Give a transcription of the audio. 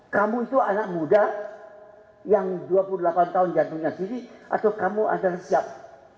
kamu itu anak muda yang dua puluh delapan tahun jatuhnya sini atau kamu adalah siap